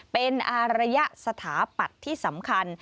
เป็นอารยะสถาปัตย์ที่สำคัญ